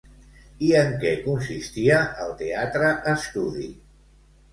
I en què consistia el Teatre Estudi?